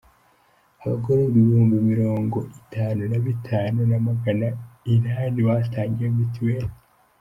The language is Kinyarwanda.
Abagororwa Ibihumbi mirongo itanu na bitanu na magana inani batangiwe mitiweli